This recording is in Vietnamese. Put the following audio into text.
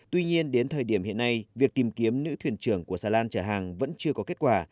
tuy nhiên đến thời điểm hiện nay việc tìm kiếm nữ thuyền trưởng của xà lan chở hàng vẫn chưa có kết quả